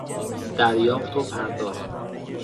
دریافت و پرداخت